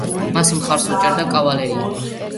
მას მხარს უჭერდა კავალერია.